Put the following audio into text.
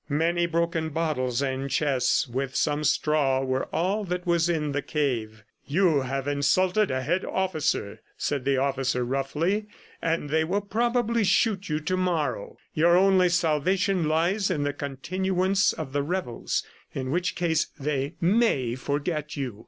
Many broken bottles and chests with some straw were all that was in the cave. "You have insulted a head officer!" said the official roughly, "and they will probably shoot you to morrow. Your only salvation lies in the continuance of the revels, in which case they may forget you."